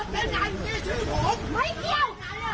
พี่อย่า